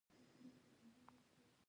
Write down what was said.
په پټ راز پسې، ښخ شوي شواهد کشف شول.